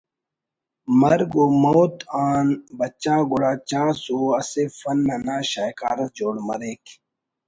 مرگ و موت آن بچا گڑا چاس او اسہ فن نا شاہکار اس جوڑ مریک